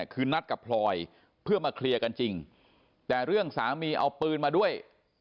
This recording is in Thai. คือนัดกับพลอยเพื่อมาเคลียร์กันจริงแต่เรื่องสามีเอาปืนมาด้วย